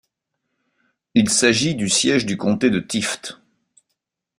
Il s'agit du siège du comté de Tift.